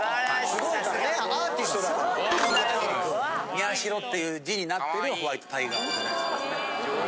宮代っていう字になってるホワイトタイガーみたいなやつですね。